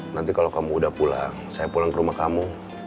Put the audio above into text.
nanti kalau kamu udah pulang saya pulang ke rumah kamu